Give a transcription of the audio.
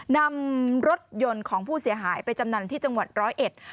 นำรถยนต์ของผู้เสียหายไปจำนันที่จังหวัดร้อยเอ็ด